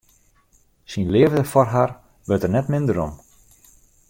Syn leafde foar har wurdt der net minder om.